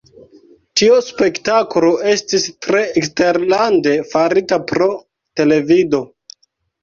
Tio spektalo estis tre eksterlande farita pro televido.